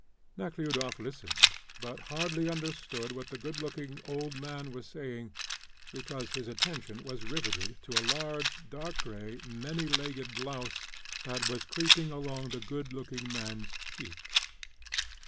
Nekhludoff listened, but hardly understood what the good looking old man was saying, because his attention was riveted to a large, dark grey, many legged louse that was creeping along the good looking man's cheek.